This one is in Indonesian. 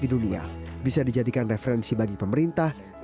di dunia bisa dijadikan referensi bagi pemerintah dan masyarakat luas